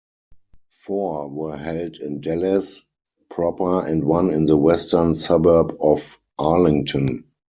Four were held in Dallas proper and one in the western suburb of Arlington.